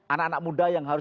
anak anak muda yang harus